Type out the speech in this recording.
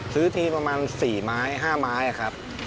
ซื้อที่ประมาณ๔๕ไม้ครับ